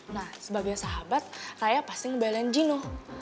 nah sebagai sahabat raya pasti ngebelain jino